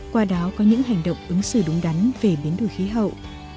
qua đó có những hành động ứng xử đúng đắn về biến đổi khí hậu